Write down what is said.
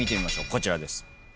こちらです。